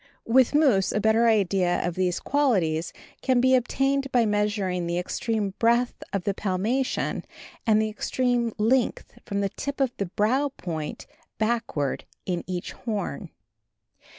With moose a better idea of these qualities can be obtained by measuring the extreme breadth of the palmation, and the extreme length from the tip of the brow point backward in each horn.